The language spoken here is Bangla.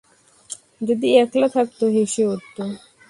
যদি একলা থাকত হেসে উঠত।